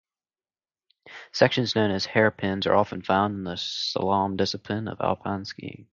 Sections known as hairpins are also found in the slalom discipline of alpine skiing.